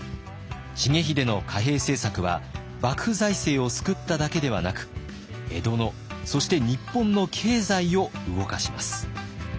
重秀の貨幣政策は幕府財政を救っただけではなく江戸のそして日本の経済を動かします。